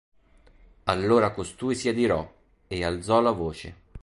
Allora costui si adirò, e alzò la voce.